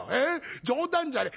冗談じゃねえ。